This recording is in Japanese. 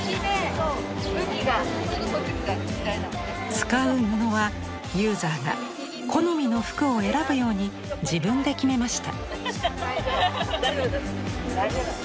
使う布はユーザーが好みの服を選ぶように自分で決めました。